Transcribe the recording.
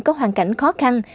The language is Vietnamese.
có hoàn cảnh khó khăn